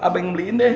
abang beliin deh